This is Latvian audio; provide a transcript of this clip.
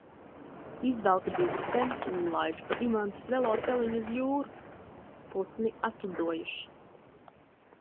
Izvelku divriteni un laižu pa Imantas veloceliņu uz jūru. Putni atlidojuši.